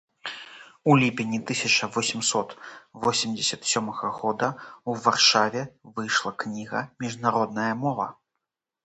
У ліпені тысяча восемсот восемдзесят сёмага года ў Варшаве выйшла кніга «Міжнародная мова.